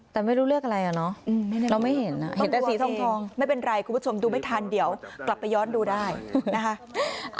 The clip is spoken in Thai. แต่ไม่รู้เลือกอะไรอ่ะเนาะเราไม่เห็นเห็นแต่สีทองไม่เป็นไรคุณผู้ชมดูไม่ทันเดี๋ยวกลับไปย้อนดูได้นะคะ